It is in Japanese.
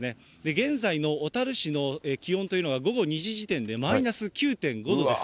現在の小樽市の気温というのが午後２時時点でマイナス９．５度です。